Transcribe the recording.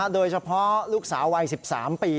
โดยเฉพาะลูกสาววัย๑๓ปี